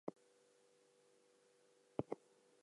He later worked as the head of the Monuments Circle in Turkey.